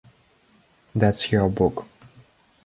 That's your book.